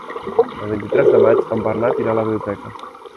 El vint-i-tres de maig en Bernat irà a la biblioteca.